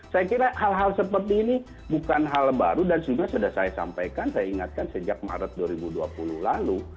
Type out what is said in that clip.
saya kira hal hal seperti ini bukan hal baru dan sudah saya sampaikan saya ingatkan sejak maret dua ribu dua puluh lalu